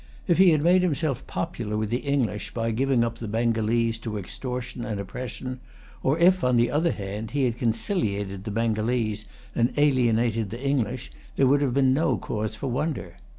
If he had made himself popular with the English by giving up the Bengalese to extortion and oppression, or if, on the other hand, he had conciliated the Bengalese and alienated the English, there would have been no cause for wonder.